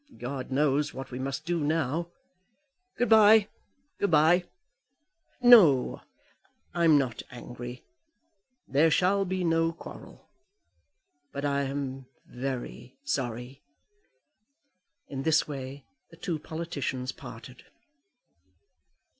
God knows what we must do now. Goodbye! good bye! No; I'm not angry. There shall be no quarrel. But I am very sorry." In this way the two politicians parted.